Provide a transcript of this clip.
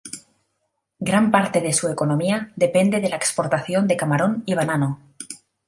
Gran parte de su economía depende de la exportación de camarón y banano.